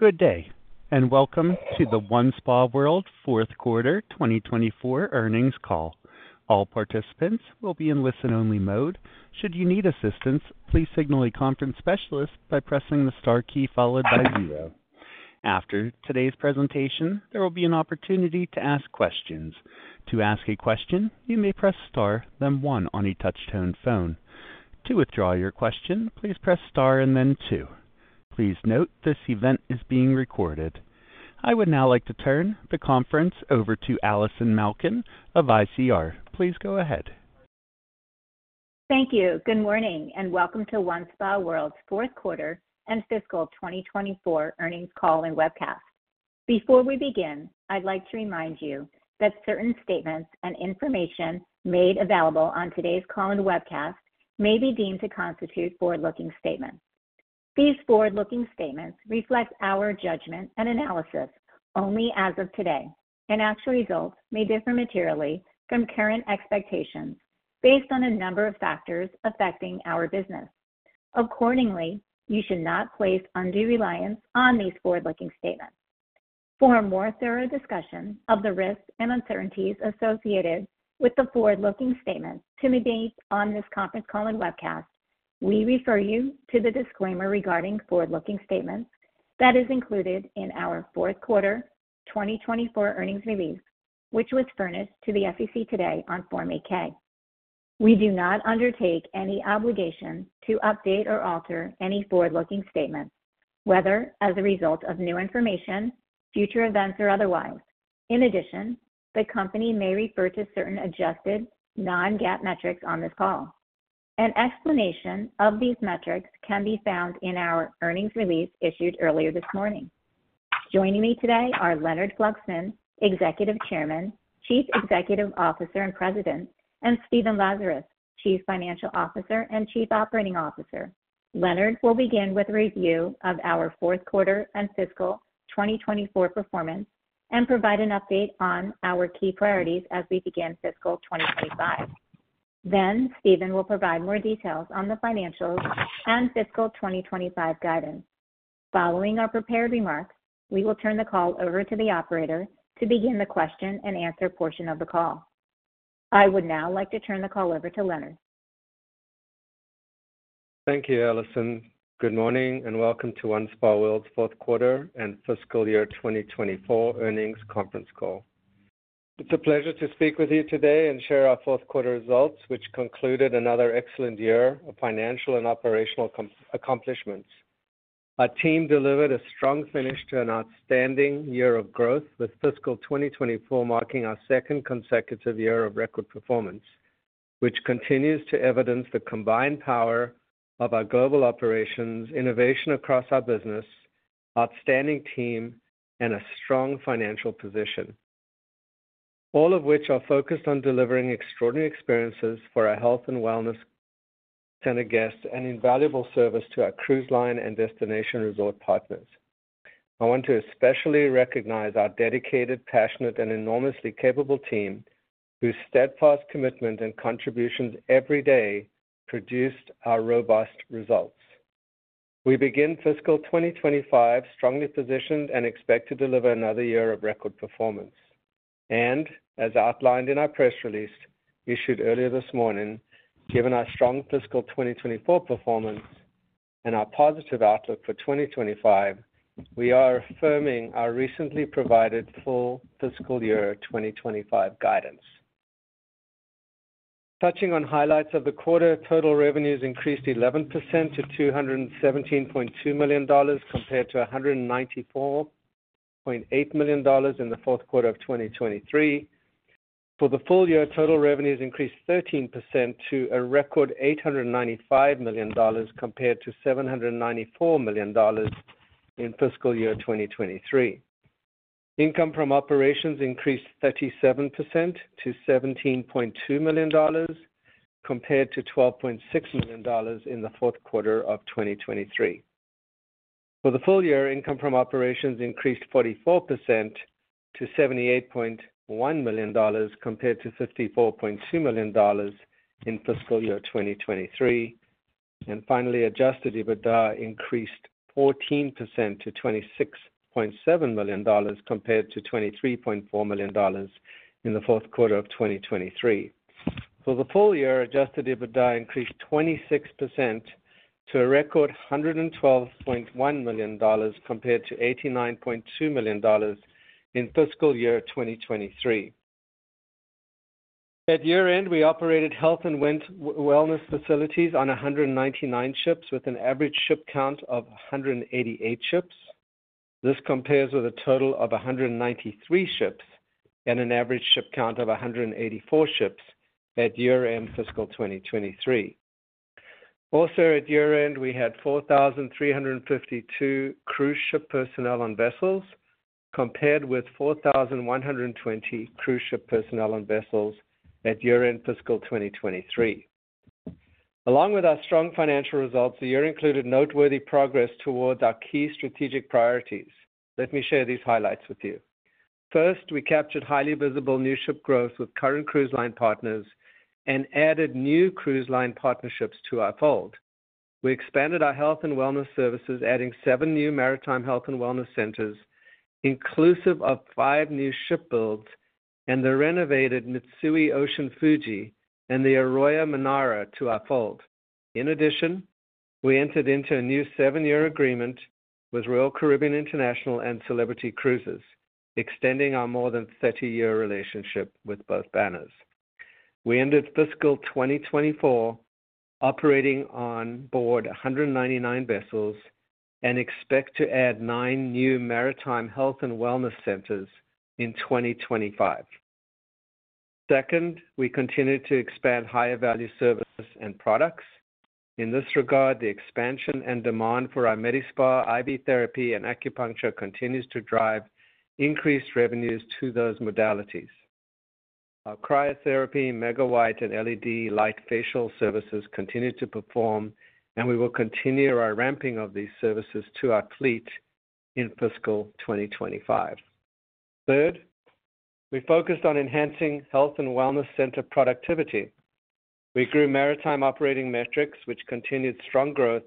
Good day and welcome to the OneSpaWorld fourth quarter 2024 earnings call. All participants will be in listen only mode. Should you need assistance, please signal a conference specialist by pressing the star key followed by zero. After today's presentation there will be an opportunity to ask questions. To ask a question, you may press star then one on a touch tone phone. To withdraw your question, please press star and then two. Please note this event is being recorded. I would now like to turn the conference over to Allison Malkin of ICR. Please go ahead. Thank you. Good morning and welcome to OneSpaWorld's fourth quarter and fiscal 2024 earnings call and webcast. Before we begin, I'd like to remind you that certain statements and information made available on today's call and webcast may be deemed to constitute forward-looking statements. These forward-looking statements reflect our judgment and analysis only as of today and actual results may differ materially from current expectations based on a number of factors affecting our business. Accordingly, you should not place undue reliance on these forward-looking statements. For a more thorough discussion of the risks and uncertainties associated with the forward-looking statements to be made on this conference call and webcast, we refer you to the disclaimer regarding forward-looking statements that is included in our fourth quarter 2024 earnings release, which was furnished to the SEC today on Form 8-K. We do not undertake any obligation to update or alter any forward-looking statements, whether as a result of new information, future events or otherwise. In addition, the company may refer to certain adjusted non-GAAP metrics on this call. An explanation of these metrics can be found in our earnings release issued earlier this morning. Joining me today are Leonard Fluxman, Executive Chairman, Chief Executive Officer and President, and Stephen Lazarus, Chief Financial Officer and Chief Operating Officer. Leonard will begin with a review of our Fourth Quarter and Fiscal 2024 performance and provide an update on our key priorities as we begin fiscal 2025. Then Stephen will provide more details on the financials and fiscal 2025 guidance. Following our prepared remarks, we will turn the call over to the operator to begin the question and answer portion of the call. I would now like to turn the call over to Leonard. Thank you, Allison. Good morning and welcome to OneSpaWorld's fourth quarter and fiscal year 2024 earnings conference call. It's a pleasure to speak with you today and share our fourth quarter results, which concluded another excellent year of financial and operational accomplishments. Our team delivered a strong finish to an outstanding year of growth with fiscal 2024 marking our second consecutive year of record performance, which continues to evidence the combined power of our global operations, innovation across our business, outstanding team and a strong financial position, all of which are focused on delivering extraordinary experiences for our health and wellness center guests and invaluable service to our cruise line and destination resort partners. I want to especially recognize our dedicated, passionate and enormously capable team whose steadfast commitment and contributions every day produced our robust results. We begin fiscal 2025 strongly positioned and expect to deliver another year of record performance, and as outlined in our press release issued earlier this morning, given our strong fiscal 2024 performance and our positive outlook for 2025, we are affirming our recently provided full fiscal year 2025 guidance. Touching on highlights of the quarter, total revenues increased 11% to $217.2 million compared to $194.8 million in the fourth quarter of 2023. For the full year, total revenues increased 13% to a record $895 million compared to $794 million in fiscal year 2023. Income from operations increased 37% to $17.2 million compared to $12.6 million in the fourth quarter of 2023. For the full year, income from operations increased 44% to $78.1 million compared to $54.2 million in fiscal year 2023, and finally, Adjusted EBITDA increased 14% to $26.7 million compared to $23.4 million in the fourth quarter of 2023. For the full year, Adjusted EBITDA increased 26% to a record $112.1 million compared to $89.2 million in fiscal year 2023. At year end, we operated health and wellness facilities on 199 ships with an average ship count of 188 ships. This compares with a total of 193 ships and an average ship count of 184 ships at year end. Fiscal 2023 also at year end, we had 4352 cruise ship personnel on vessels compared with 4,120 cruise ship personnel and vessels at year end. Fiscal 2023. Along with our strong financial results, the year included noteworthy progress towards our key strategic priorities. Let me share these highlights with you. First, we captured highly visible new ship growth with current cruise line partners and added new cruise line partnerships to our fold. We expanded our health and wellness services, adding seven new maritime health and wellness centers inclusive of five new ship builds and the renovated Mitsui Ocean Fuji and the Aroya Manara to our fold. In addition, we entered into a new seven-year agreement with Royal Caribbean International and Celebrity Cruises extending our more than 30-year relationship with both banners. We ended fiscal 2024 operating on board 199 vessels and expect to add nine new maritime health and wellness centers in 2025. Second, we continue to expand higher value services and products in this regard. The expansion and demand for our Medi-Spa IV Therapy and Acupuncture continues to drive increased revenues to those modalities. Our Cryotherapy, Megawhite and LED Light Facial services continue to perform and we will continue our ramping of these services to our fleet in fiscal 2025. Third, we focused on enhancing health and wellness center productivity. We grew maritime operating metrics, which continued strong growth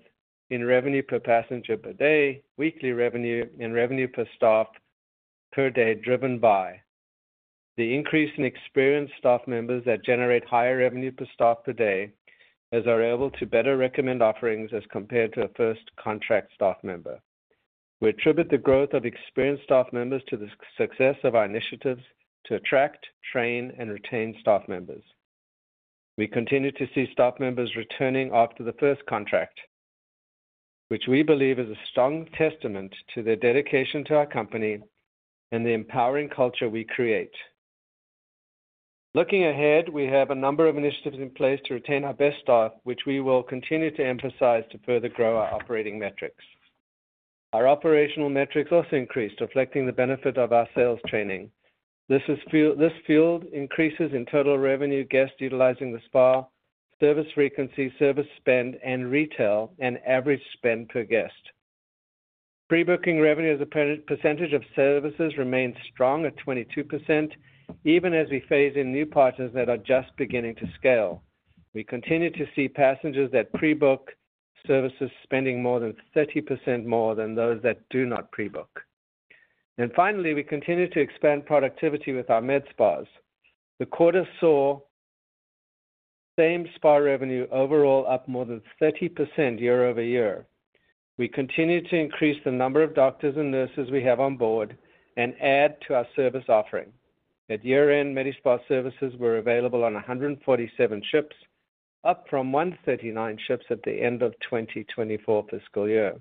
in revenue per passenger per day, weekly revenue, and revenue per staff per day driven by the increase in experienced staff members that generate higher revenue per staff per day as they are able to better recommend offerings as compared to a first contract staff member. We attribute the growth of experienced staff members to the success of our initiatives to attract, train and retain staff members. We continue to see staff members returning after the first contract which we believe is a strong testament to their dedication to our company and the empowering culture we create. Looking ahead, we have a number of initiatives in place to retain our best staff which we will continue to emphasize to further grow our operating metrics. Our operational metrics also increased reflecting the benefit of our sales training. This fueled increases in total revenue. Guests utilizing the spa service frequency, service spend and retail and average spend per guest pre-booking revenue as a percentage of services remains strong at 22%, even as we phase in new partners that are just beginning to scale, we continue to see passengers that pre-book services spending more than 30% more than those that do not pre-book, and finally, we continue to expand productivity with our Medi-Spas. The quarter saw same spa revenue overall up more than 30% year-over-year. We continue to increase the number of doctors and nurses we have on board, add to our service offering at year end. Medi-Spa services were available on 147 ships, up from 139 ships at the end of 2024 fiscal year.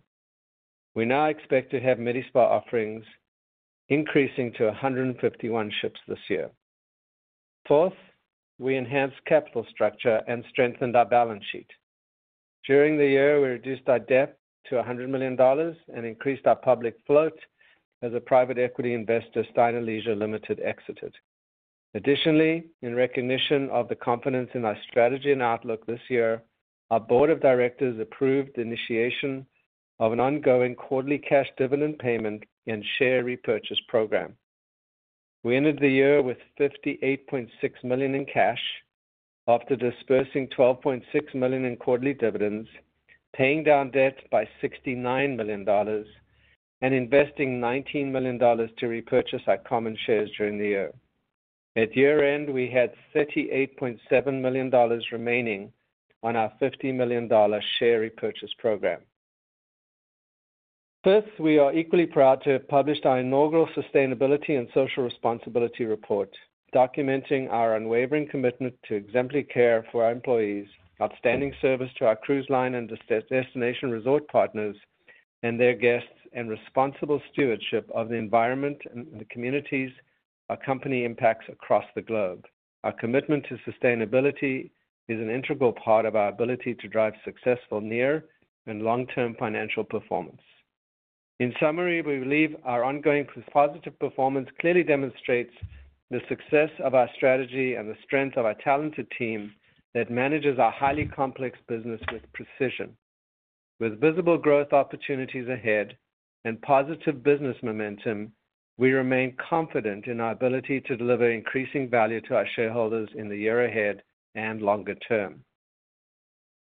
We now expect to have Medi-Spa offerings increasing to 151 ships this year. Fourth, we enhanced capital structure and strengthened our balance sheet during the year. We reduced our debt to $100 million and increased our public float as a private equity investor. Steiner Leisure Limited exited. Additionally, in recognition of the confidence in our strategy and outlook this year, our Board of Directors approved the initiation of an ongoing quarterly cash dividend payment and share repurchase program. We ended the year with $58.6 million in cash after disbursing $12.6 million in quarterly dividends, paying down debt by $69 million and investing $19 million to repurchase our common shares during the year. At year end, we had $38.7 million remaining on our $50 million share repurchase program. Fifth, we are equally proud to have published our inaugural Sustainability and Social Responsibility Report documenting our unwavering commitment to exemplary care for our employees, outstanding service to our cruise line and destination resort partners and their guests, and responsible stewardship of the environment and the communities our company impacts across the globe. Our commitment to sustainability is an integral part of our ability to drive successful near and long term financial performance. In summary, we believe our ongoing positive performance clearly demonstrates the success of our strategy and the strength of our talented team that manages our highly complex business with precision. With visible growth opportunities ahead and positive business momentum, we remain confident in our ability to deliver increasing value to our shareholders in the year ahead and longer term.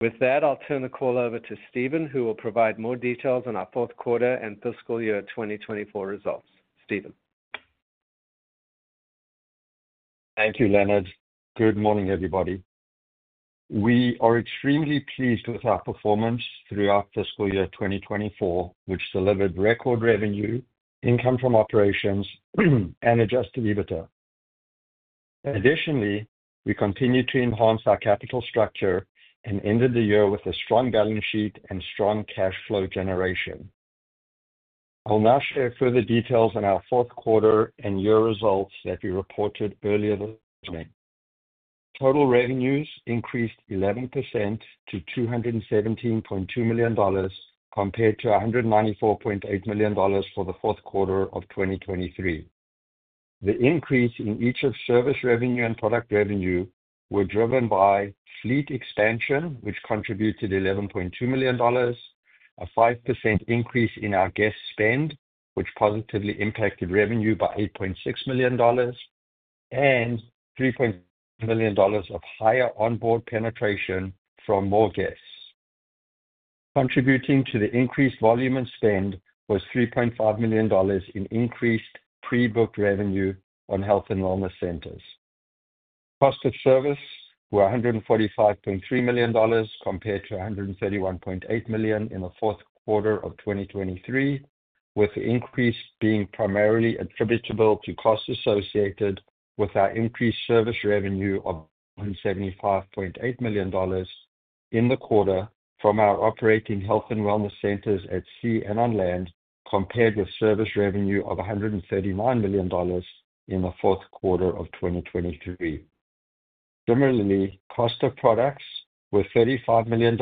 With that, I'll turn the call over to Stephen who will provide more details on our fourth quarter and fiscal year 2024 results. Stephen. Thank you, Leonard. Good morning, everybody. We are extremely pleased with our performance throughout fiscal year 2024, which delivered record revenue, income from operations, and Adjusted EBITDA. Additionally, we continue to enhance our capital structure and ended the year with a strong balance sheet and strong cash flow generation. I will now share further details on our fourth quarter and year results that we reported earlier this morning. Total revenues increased 11% to $217.2 million compared to $194.8 million for the fourth quarter of 2023. The increase in each of service revenue and product revenue were driven by fleet expansion which contributed $11.2 million, a 5% increase in our guest spend which positively impacted revenue by $8.6 million, and $3.3 million of higher onboard penetration from more guests. Contributing to the increased volume and spend was $3.5 million in increased pre-booked revenue on health and wellness centers. Costs of services were $145.3 million compared to $131.8 million in the fourth quarter of 2023, with the increase being primarily attributable to costs associated with our increased service revenue of $175.8 million in the quarter from our operating health and wellness centers at sea and on land compared with service revenue of $139 million in the fourth quarter of 2023. Similarly, costs of products were $35 million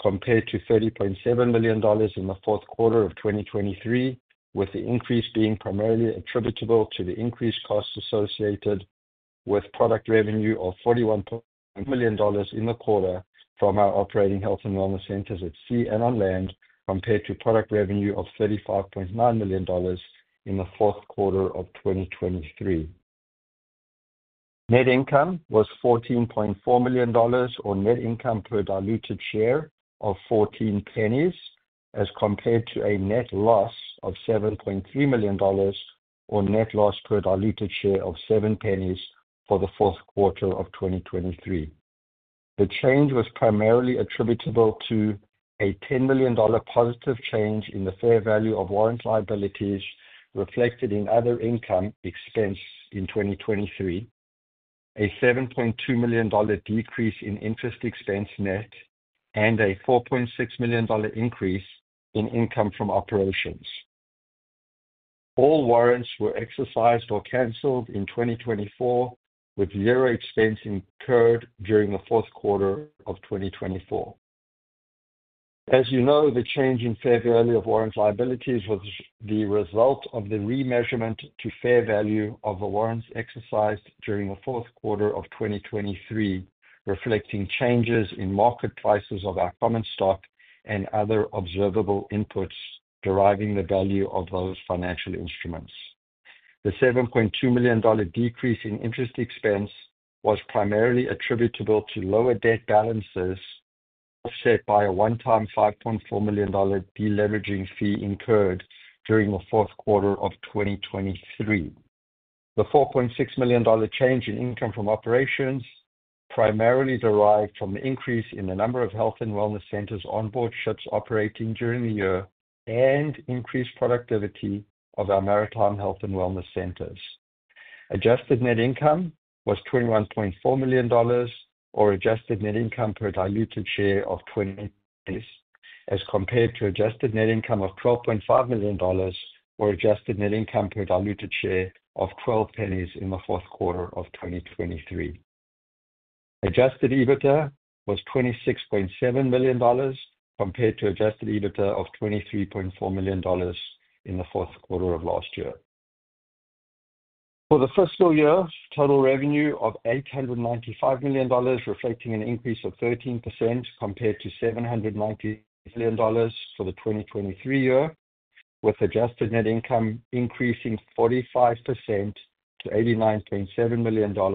compared to $30.7 million in the fourth quarter of 2023, with the increase being primarily attributable to the increased costs associated with product revenue of $41.2 million in the quarter from our operating health and wellness centers at sea and on land compared to product revenue of $35.9 million in the fourth quarter of 2023. Net income was $14.4 million or net income per diluted share of $0.14 as compared to a net loss of $7.3 million or net loss per diluted share of $0.07 for the fourth quarter of 2023. The change was primarily attributable to a $10 million positive change in the fair value of warrant liabilities reflected in other income expense in 2023, a $7.2 million decrease in interest expense net and a $4.6 million increase in income from operations. All warrants were exercised or cancelled in 2024 with zero expense incurred during the fourth quarter of 2024. As you know, the change in fair value of warrant liabilities was the result of the remeasurement to fair value of the warrants exercised during the fourth quarter. Reflecting changes in market prices of our common stock and other observable inputs deriving the value of those financial instruments. The $7.2 million decrease in interest expense was primarily attributable to lower debt balances offset by a one-time $5.4 million deleveraging fee incurred during the fourth quarter of 2023. The $4.6 million change in income from operations primarily derived from the increase in the number of health and wellness centers onboard ships operating during the year and increased productivity of our maritime health and wellness centers. Adjusted net income was $21.4 million or adjusted net income per diluted share of $0.20 as compared to adjusted net income of $12.5 million or adjusted net income per diluted share of $0.12 of 2023. Adjusted EBITDA was $26.7 million compared to Adjusted EBITDA of $23.4 million in the fourth quarter of last year. For the fiscal year, total revenue of $895 million, reflecting an increase of 13% compared to $790 million for the 2023 year, with adjusted net income increasing 45% to $89.7 million or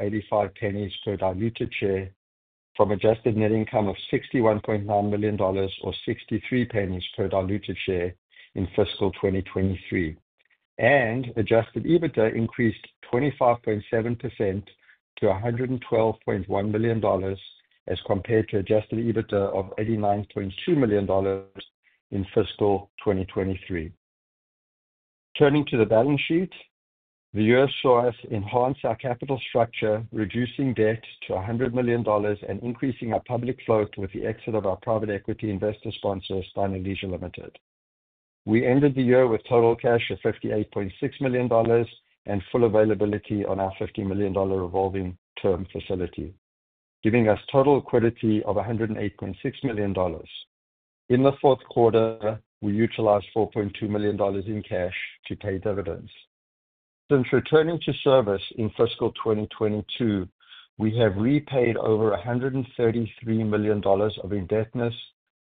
$0.85 per diluted share from adjusted net income of $61.9 million or $0.63 per diluted share in fiscal 2023 and Adjusted EBITDA increased 25.7% to $112.1 million as compared to Adjusted EBITDA of $89.2 million in fiscal 2023. Turning to the balance sheet, the year saw us enhance our capital structure, reducing debt to $100 million and increasing our public float with the exit of our private equity investor sponsor Steiner Leisure Limited. We ended the year with total cash of $58.6 million and full availability on our $50 million revolving term facility giving us total liquidity of $108.6 million. In the fourth quarter we utilized $4.2 million in cash to pay dividends. Since returning to service in fiscal 2022, we have repaid over $133 million of indebtedness,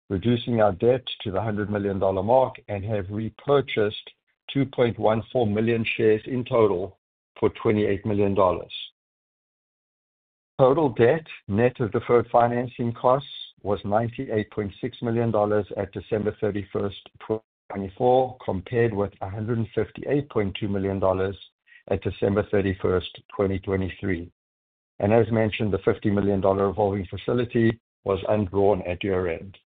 reducing our debt to the $100 million mark and have repurchased 2.14 million shares in total for $28 million. Total debt net of deferred financing costs was $98.6 million in December 31, 2024 compared with $158.2 million at December 31, 2023, and as mentioned, the $50 million revolving facility was undrawn at year-end.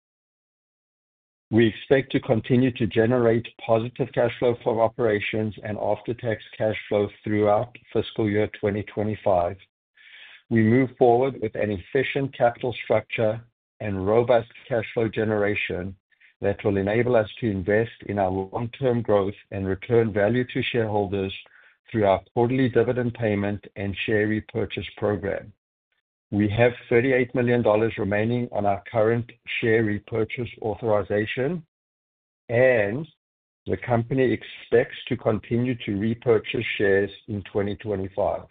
We expect to continue to generate positive cash flow from operations and after-tax cash flow throughout fiscal year 2025. We move forward with an efficient capital structure and robust cash flow generation that will enable us to invest in our long-term growth and return value to shareholders through our quarterly dividend payment and share repurchase program. We have $38 million remaining on our current share repurchase authorization and the company expects to continue to repurchase shares in 2025.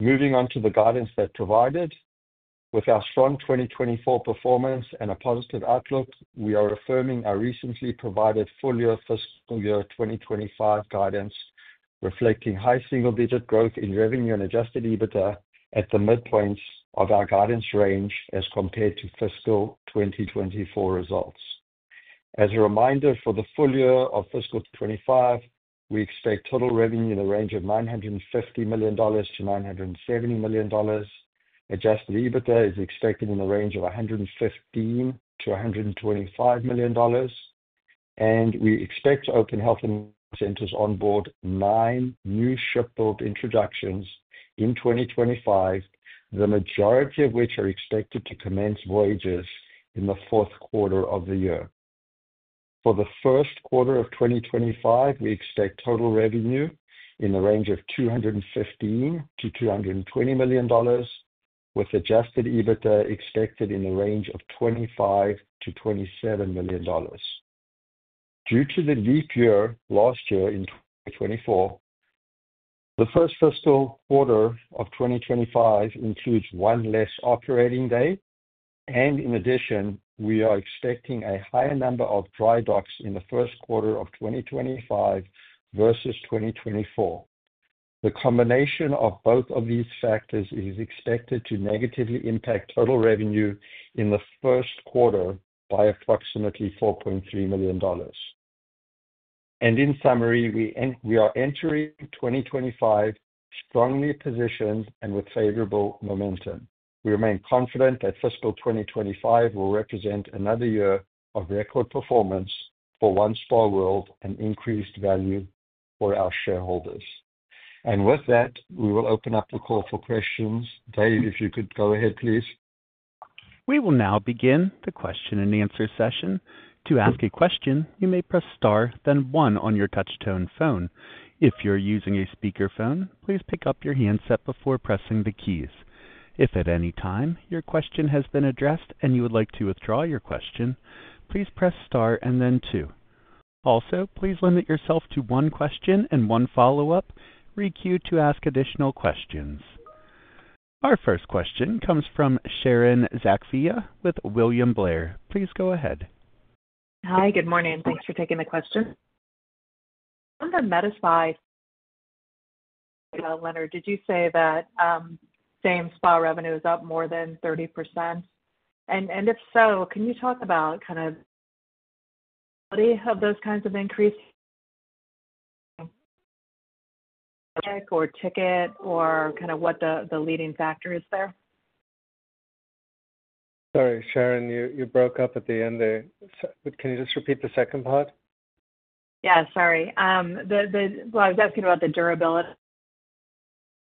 Moving on to the guidance we provided with our strong 2024 performance and a positive outlook, we are affirming our recently provided full year fiscal year 2025 guidance reflecting high single digit growth in revenue and Adjusted EBITDA at the midpoints of our guidance range as compared to fiscal 2024 results. As a reminder, for the full year of fiscal 2025 we expect total revenue in the range of $950 million-$970 million. Adjusted EBITDA is expected in the range of $115 million-$125 million and we expect to open health and wellness centers on board nine new ship-built introductions in 2025, the majority of which are expected to commence voyages in the fourth quarter of the year. For the first quarter of 2025, we expect total revenue in the range of $215 million-$220 million with Adjusted EBITDA expected in the range of $25 million-$27 million due to the leap year last year in 2024. The first fiscal quarter of 2025 includes one less operating day and in addition, we are expecting a higher number of dry docks in the first quarter of 2025 versus 2024. The combination of both of these factors is expected to negatively impact total revenue in the first quarter by approximately $4.3 million, and in summary, we are entering 2025 strongly positioned and with favorable momentum. We remain confident that fiscal 2025 will represent another year of record performance for OneSpaWorld and increased value for our shareholders, and with that, we will open up the call for questions. Dave, if you could go ahead, please. We will now begin the question and answer session. To ask a question, you may press star then one on your touchtone phone. If you're using a speakerphone, please pick up your handset before pressing the keys. If at any time your question has been addressed and you would like to withdraw your question, please press star and then two. Also please limit yourself to one question and one follow-up request to ask additional questions. Our first question comes from Sharon Zackfia with William Blair. Please go ahead. Hi, good morning. Thanks for taking the question on the Medi-Spa. Leonard, did you say that same spa revenue is up more than 30% and if so, can you talk about kind of. Have those kinds of increase. Or. Ticket, or kind of what the leading factor is there? Sorry Sharon, you broke up at the end there. Can you just repeat the second part? Yeah, sorry. Well, I was asking about the durability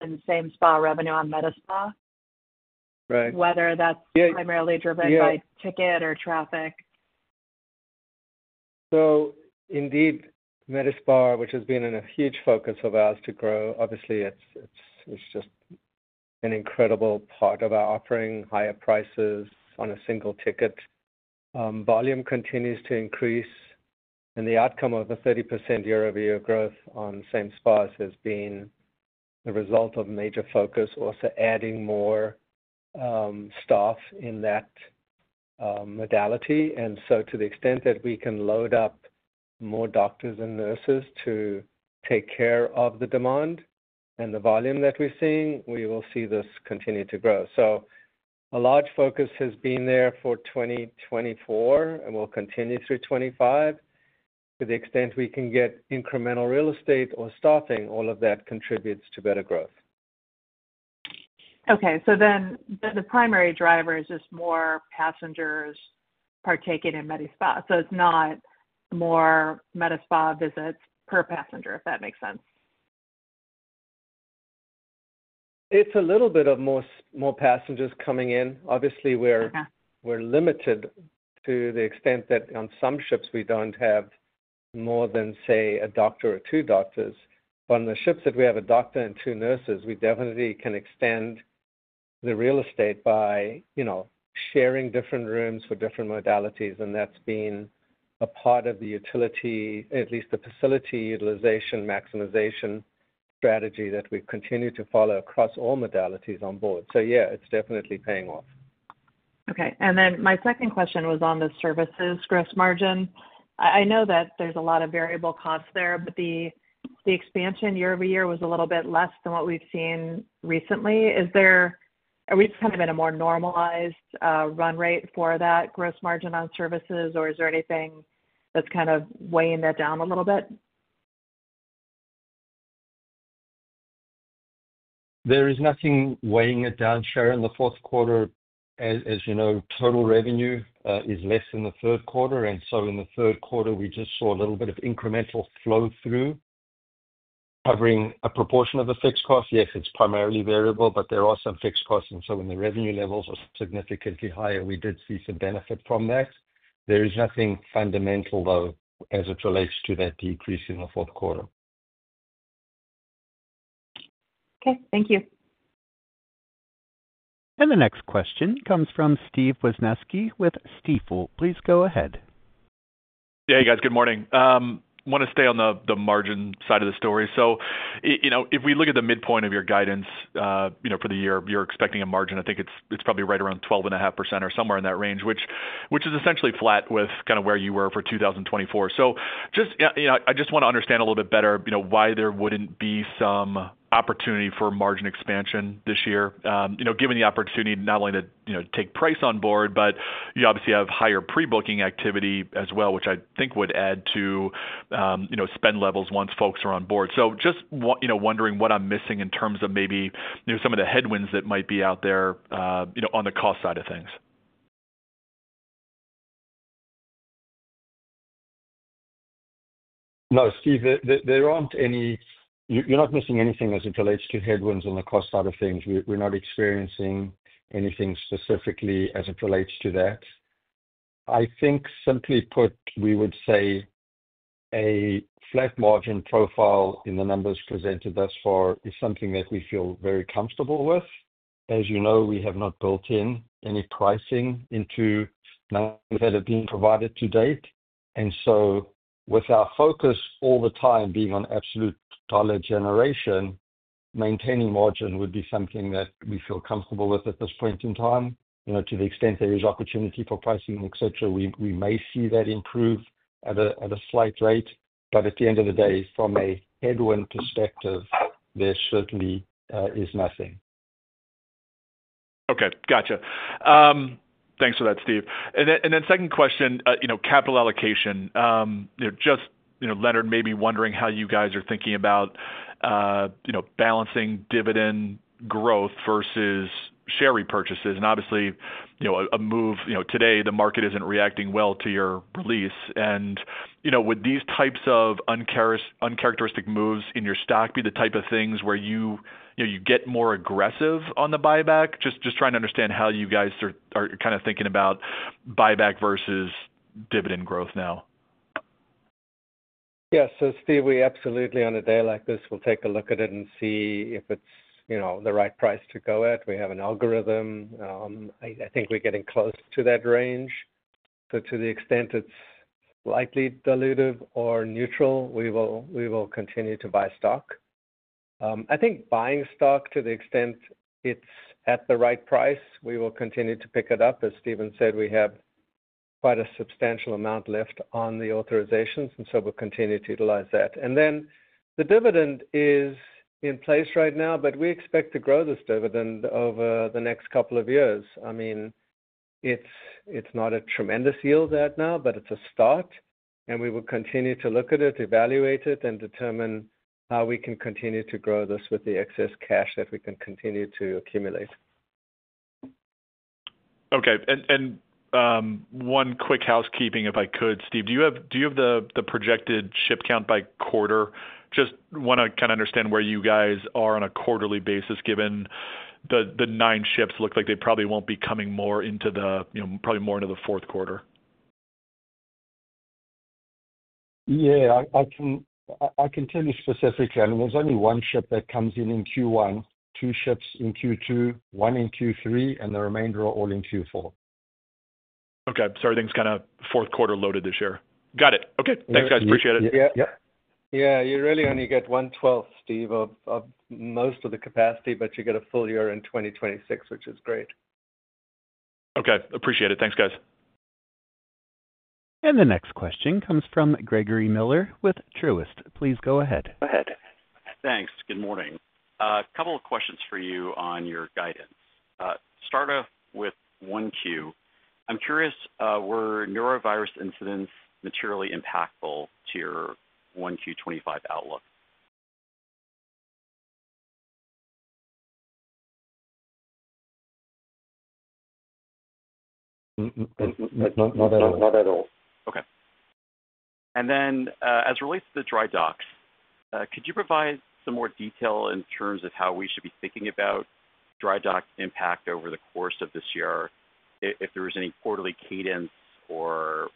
and same spa revenue on Medi-Spa, whether that's primarily driven by ticket or traffic? Indeed, Medi-Spa, which has been a huge focus of ours to grow. Obviously, it's just an incredible part of our offering, higher price on a single ticket. Volume continues to increase, and the outcome of the 30% year-over-year growth on same spas has been the result of major focus, also adding more staff in that modality. To the extent that we can load up more doctors and nurses to take care of the demand and the volume that we're seeing, we will see this continue to grow. A large focus has been there for 2024 and will continue through 2025. To the extent we can get incremental real estate or staffing, all of that contributes to better growth. Okay, so then the primary driver is just more passengers partaking in Medi-Spa, so it's not more Medi-spa visits per passenger, if that makes sense. It's a little bit of more passengers coming in. Obviously, we're limited to the extent that on some ships we don't have more than, say, a doctor or two doctors. On the ships that we have a doctor and two nurses, we definitely can extend the real estate by sharing different rooms for different modalities, and that's been a part of the utilization, at least the facility utilization maximization strategy that we continue to follow across all modalities on board, so yeah, it's definitely paying off. Okay. And then my second question was on the services gross margin. I know that there's a lot of variable costs there, but the expansion year-over-year was a little bit less than what we've seen recently. Are we kind of in a more normalized run rate for that gross margin on services or is there anything that's kind of weighing that down a little bit? There is nothing weighing it down. Share in the fourth quarter, as you know, total revenue is less than the third quarter, and so in the third quarter we just saw a little bit of incremental flow through covering a proportion of the fixed cost. Yes, it's primarily variable, but there are some fixed costs, and so when the revenue levels are significantly higher, we did see some benefit from that. There is nothing fundamental though, as it relates to that decrease in the fourth quarter. Okay, thank you. And the next question comes from Steve Wieczynski with Stifel. Please go ahead. Good morning. Want to stay on the margin side of the story. If we look at the midpoint of your guidance for the year, you're expecting a margin, I think it's probably right around 12.5% or somewhere in that range, which is essentially flat with where you were for 2024. I just want to understand a little bit better why there wouldn't be some opportunity for margin expansion this year, given the opportunity not only to take price on board, but you obviously have higher pre-booking activity as well, which I think would add to spend levels once folks are on board. Just wondering what I'm missing in terms of maybe some of the headwinds that might be out there on the cost side of things. No, Steve, there aren't any. You're not missing anything as it relates to headwinds on the cost side of things. We're not experiencing anything specifically as it relates to that. I think, simply put, we would say a flat margin profile in the numbers presented thus far is something that we feel very comfortable with. As you know, we have not built in any pricing into that have been provided to date. And so with our focus all the time being on absolute dollar generation, maintaining margin would be something that we feel comfortable with at this point in time. You know, to the extent there is opportunity for pricing, etc., we may see that improve at a slight rate. But at the end of the day, from a headwind perspective, there certainly is nothing. Okay, got you. Thanks for that, Steph. Then second question, capital allocation. Leonard, maybe wondering how you guys are thinking about balancing dividend growth versus share repurchases. Obviously a move today, the market isn't reacting well to your release. Would these types of uncharacteristic moves in your stock be the type of things where you get more aggressive on the buyback? Just trying to understand how you guys are kind of thinking about buyback versus dividend growth now. Yes, Steve, we absolutely, on a day like this, will take a look at it and see if it's the right price to go at. We have an algorithm. I think we're getting close to that range. To the extent it's likely dilutive or neutral, we will continue to buy stocks. I think buying stock to the extent it's at the right price, we will continue to pick it up. As Stephen said, we have quite a substantial amount left on the authorizations, and so we'll continue to utilize that. And then the dividend is in place right now, but we expect to grow this dividend over the next couple of years. I mean, it's not a tremendous yield right now, but it's a start. We will continue to look at it, evaluate it, and determine how we can continue to grow this with the excess cash that we can continue to accumulate. Okay. One quick housekeeping, if I could. Steph, do you have the projected ship count by quarter? Just want to understand where you guys are on a quarterly basis, given the nine ships look like they probably won't be coming more into the fourth quarter. Yeah, I can tell you specifically, I mean, there's only one ship that comes in in Q1, two ships in Q2, one in Q3, and the remainder are all in Q4. Okay, so everything's kind of fourth quarter loaded this year. Got it. Okay, thanks, guys. Appreciate it. Yeah, yeah, you really only get 1/12, Steve, of most of the capacity, but you get a full year in 2026, which is great. Okay, appreciate it. Thanks, guys. The next question comes from Gregory Miller with Truist. Please go ahead. Thanks. Good morning. A couple of questions for you on your guidance. Start off with one Q. I'm curious. Were Norovirus incidents materially impactful to your 1Q25 outlook? Not at all. Okay. And then as relates to the dry docks, could you provide some more detail in terms of how we should be thinking about dry dock impact over the course of this year? If there is any quarterly cadence or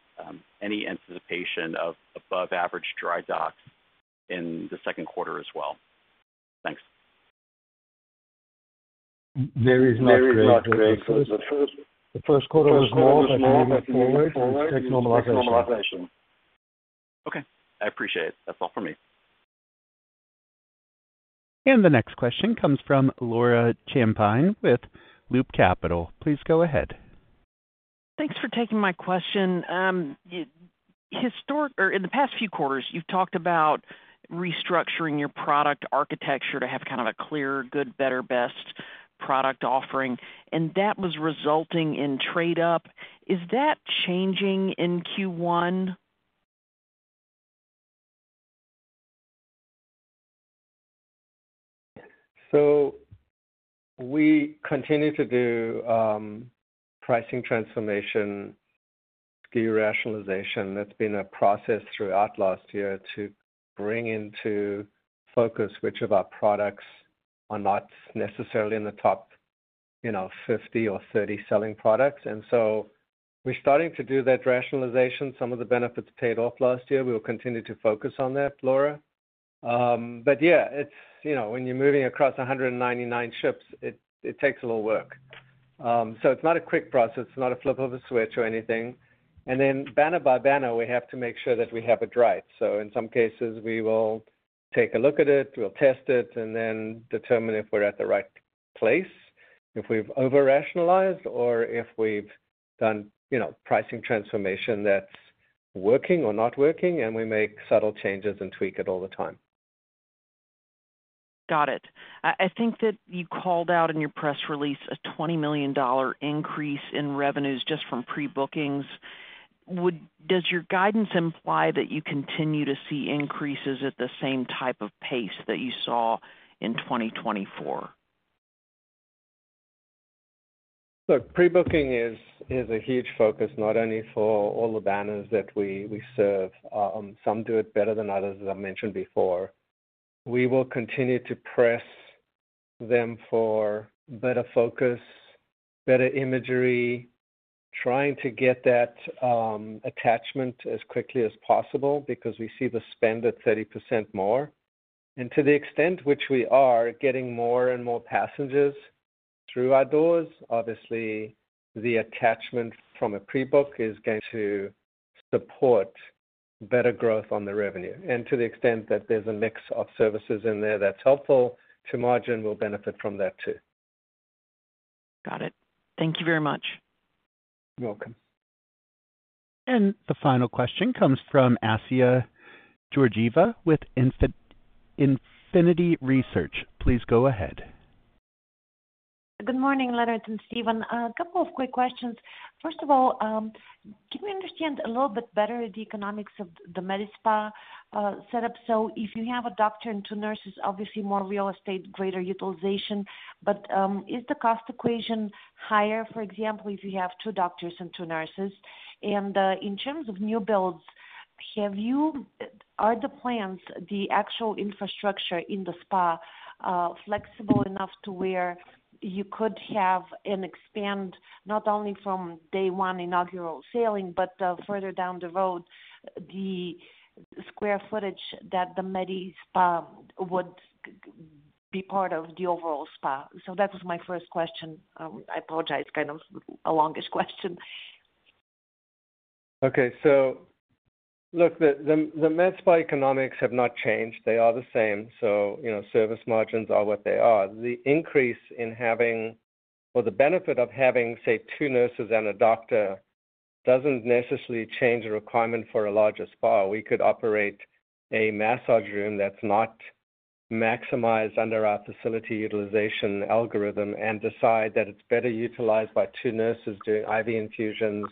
any anticipation of above average dry docks in the second quarter as well. Thanks. There is no. Okay, I appreciate it. That's all for me. The next question comes from Laura Champine with Loop Capital. Please go ahead. Thanks for taking my question. In the past few quarters you've talked about restructuring your product architecture to have kind of a clear, good, better, best product offering. And that was resulting in trade up. Is that changing in Q1? So we continue to do pricing transformation, SKU rationalization that's been a process throughout last year to bring into focus which of our products are not necessarily in the top, you know, 50 or 30 selling products. And so we're starting to do that rationalization. Some of the benefits paid off last year. We will continue to focus on that, Laura. But yeah, it's, you know, when you're moving across 199 ships, it takes a little work. So it's not a quick process, not a flip of a switch or anything. And then banner by banner, we have to make sure that we have it right. So in some cases we will take a look at it, we'll test it and then determine if we're at the right place, if we've over rationalized or if we've done, you know, pricing transformation that's working or not working. We make subtle changes and tweak it all the time. Got it. I think that you called out in your press release a $20 million increase in revenues just from pre-bookings. Does your guidance imply that you continue to see increases at the same type? The pace that you saw in 2024? Look, pre booking is a huge focus not only for all the banners that we serve. Some do it better than others, as I mentioned before. We will continue to press them for better focus, better imagery, trying to get that attachment as quickly as possible because we see the spend at 30% more. And to the extent which we are getting more and more passengers through our doors, obviously the attachment from a pre book is going to support better growth on the revenue. And to the extent that there's a mix of services in there that's helpful to margin will benefit from that too. Got it. Thank you very much. You're welcome. And the final question comes from Assia Georgieva with Infinity Research. Please go ahead. Good morning, Leonard and Stephen. A couple of quick questions. First of all, can we understand a little bit better the economics of the Medi-Spa setup? So if you have a doctor and two nurses, obviously more real estate, greater utilization. But is the cost equation higher? For example, if you have two doctors and two nurses and in terms of new builds, have your plans, the actual infrastructure in the spa flexible enough to where you could have an expansion not only from day one inaugural sailing, but further down the road the square footage that the Medi-Spa would be part of the overall spa? So that was my first question. I apologize. Kind of a longish question. Okay, so look, the Medi-Spa economics have not changed. They are the same. So, you know, service margins are what they are. The increase in having or the benefit of having, say two nurses and a doctor doesn't necessarily change a requirement for a larger spa. We could operate a massage room that's not maximized under our facility utilization algorithm and decide that it's better utilized by two nurses doing IV infusions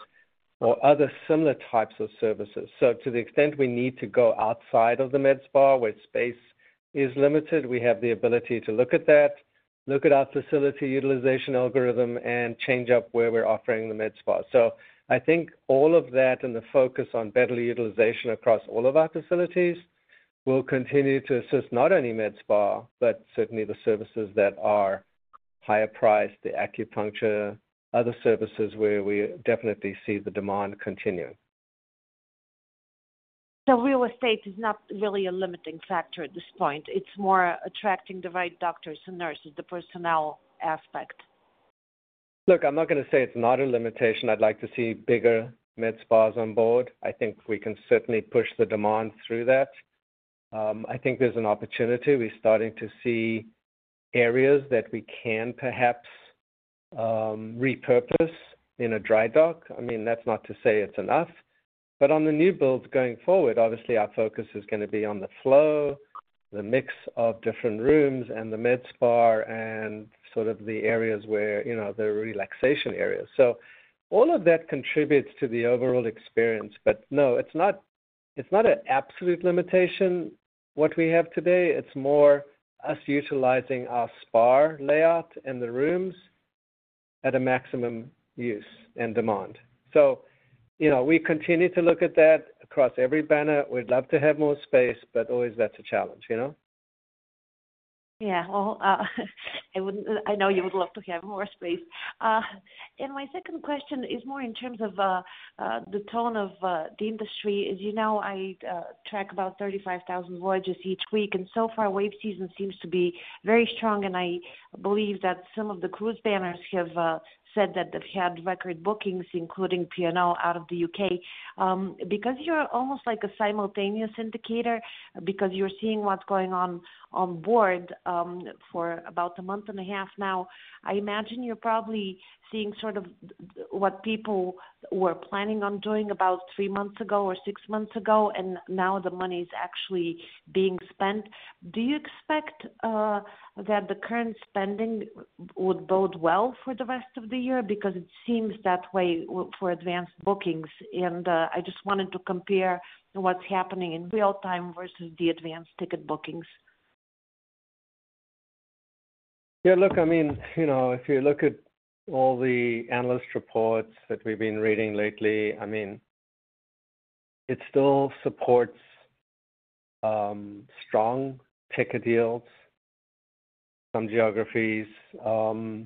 or other similar types of services. So to the extent we need to go outside of the Medi-Spa where space is limited, we have the ability to look at that, look at our facility utilization algorithm and change up where we're offering the Medi-Spa. I think all of that and the focus on better utilization across all of our facilities will continue to assist not only Medi-Spa, but certainly the services that are higher price, the acupuncture, other services where we definitely see the demand continue. The real estate is not really a limiting factor at this point. It's more attracting the right doctors and nurses, the personnel aspect. Look, I'm not going to say it's not a limitation. I'd like to see bigger Medi-Spas on board. I think we can certainly push the demand through that. I think there's an opportunity. We're starting to see areas that we can perhaps repurpose in a dry dock. I mean, that's not to say it's enough, but on the new builds going forward, obviously our focus is going to be on the flow, the mix of different rooms and the Medi-Spa and sort of the areas where, you know, the relaxation area. So all of that contributes to the overall experience. But no, it's not an absolute limitation. What we have today, it's more us utilizing our spa layout and the rooms at a maximum use and demand. So, you know, we continue to look at that across every banner. We'd love to have more space, but always that's a challenge. You know. Yeah, well, I know you would love to have more space. And my second question is more in terms of the tone of the industry. As you know, I track about 35,000 voyages each week, and so far, wave season seems to be very strong. And I believe that some of the cruise banners have said that they've had record bookings, including P&O out of the UK because you're almost like a simultaneous indicator because you're seeing what's going on on board for about a month and a half now. I imagine you're probably seeing sort of what people were planning on doing about three months ago or six months ago. And now the money is actually being spent. Do you expect that the current spending would bode well for the rest of the year? Because it seems that way for advanced bookings. I just wanted to compare what's happening in real time versus the advanced ticket bookings. Yeah, look, I mean, you know, if you look at all the analyst reports that we've been reading lately, I mean.It still supports. Strong ticket yields, some geographies,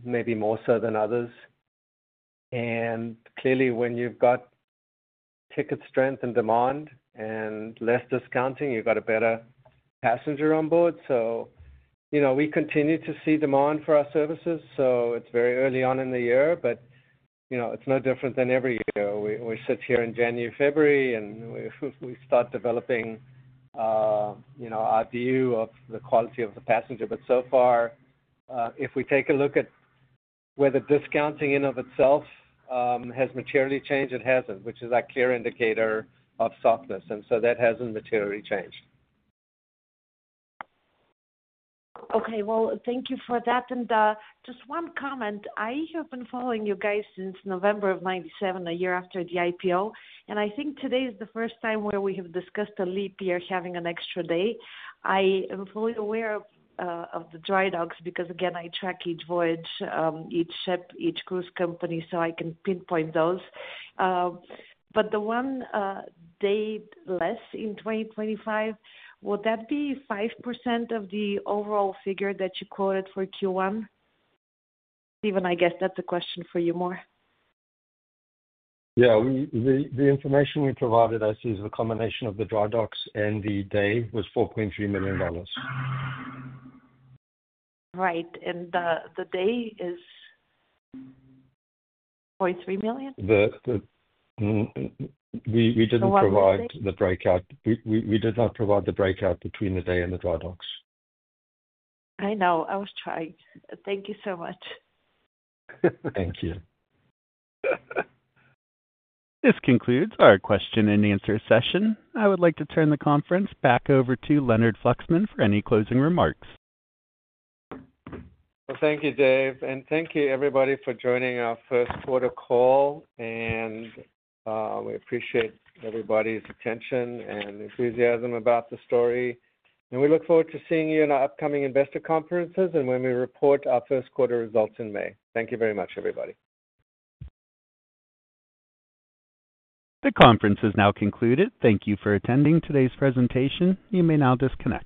maybe more so than others, and clearly when you've got ticket strength and demand and less discounting, you've got a better passenger on board, so, you know, we continue to see demand for our services, so it's very early on in the year, but, you know, it's no different than every year we sit here in January, February, and we start developing. Our view of the quality of the passenger, but so far, if we take a look at where the discounting in of itself has materially changed, it hasn't, which is a clear indicator of softness, and so that hasn't materially changed. Okay, well, thank you for that. And just one comment. I have been following you guys since November of 1997, year after the IPO. And I think today is the first time where we have discussed a leap year having an extra day. I am fully aware of the dry docks because again, I track each voyage, each ship, each cruise company, so I can pinpoint those. But the one day less in 2025, would that be 5% of the overall figure that you quoted for Q1, Stephen? I guess that's a question for you more. Yeah. The information we provided, I see, is the combination of the dry docks and the delay was $4.3 million. Right. The day is. 0.3 million. We didn't provide the breakout. We did not provide the breakout between the day and the dry docks. I know. I was trying. Thank you so much. Thank you. This concludes our question and answer session. I would like to turn the conference back over to Leonard Fluxman for any closing remarks. Thank you, Dave. Thank you everybody for joining our first quarter call. We appreciate everybody's attention and enthusiasm about the story. We look forward to seeing you in our upcoming investor conferences and when we report our first quarter results in May. Thank you very much, everybody. The conference has now concluded. Thank you for attending today's presentation. You may now disconnect.